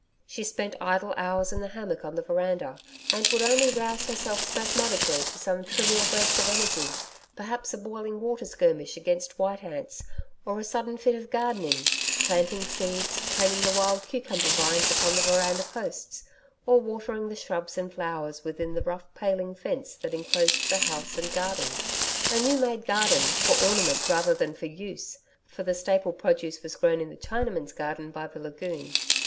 She spent idle hours in the hammock on the veranda, and would only rouse herself spasmodically to some trivial burst of energy perhaps a boiling water skirmish against white ants, or a sudden fit of gardening planting seeds, training the wild cucumber vines upon the veranda posts, or watering the shrubs and flowers within the rough paling fence that enclosed the house and garden. A new made garden, for ornament rather than for use, for the staple produce was grown in the Chinaman's garden by the lagoon.